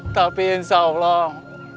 tapi insya allah